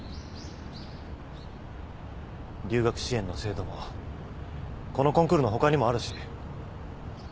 留学支援の制度もこのコンクールのほかにもあるし。